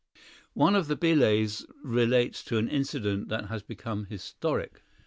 ] One of the billets relates to an incident that has become historic.